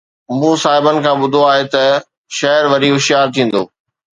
مون صاحبن کان ٻڌو آهي ته شعر وري هوشيار ٿيندو